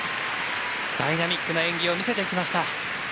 ダイナミックな演技を見せていきました。